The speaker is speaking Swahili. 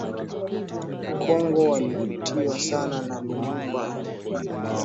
Kongo Walivutiwa sana na Lumumba